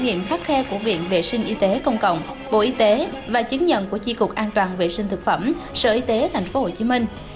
nghiệm khắc khe của viện vệ sinh y tế công cộng bộ y tế và chứng nhận của chi cục an toàn vệ sinh thực phẩm sở y tế tp hcm